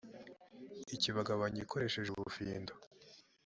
ikibagabanya ikoresheje ubufindo